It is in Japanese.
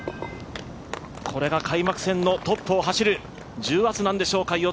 これが開幕戦のトップを走る重圧なんでしょうか。